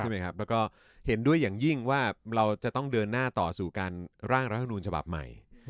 แล้วก็เห็นด้วยอย่างยิ่งว่าเราจะต้องเดินหน้าต่อสู่การร่างรัฐมนูญฉบับใหม่